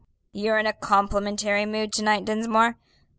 you're in a complimentary mood to night, Dinsmore.